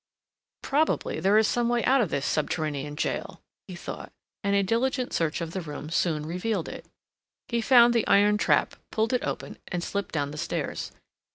"Probably there is some way out of this subterranean jail," he thought and a diligent search of the room soon revealed it. He found the iron trap, pulled it open, and slipped down the stairs.